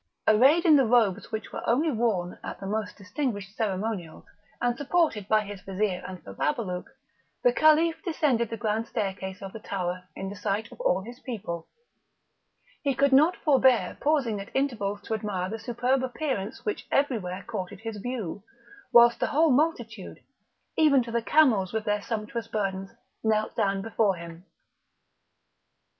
Arrayed in the robes which were only worn at the most distinguished ceremonials, and supported by his Vizir and Bababalouk, the Caliph descended the grand staircase of the tower in the sight of all his people; he could not forbear pausing at intervals to admire the superb appearance which everywhere courted his view, whilst the whole multitude, even to the camels with their sumptuous burdens, knelt down before him.